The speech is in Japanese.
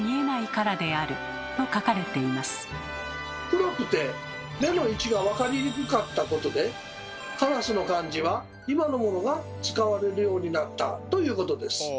黒くて目の位置がわかりにくかったことで「烏」の漢字は今のものが使われるようになったということです。